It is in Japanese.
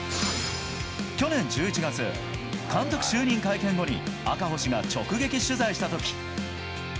去年１１月、監督就任会見後に赤星が直撃取材した時。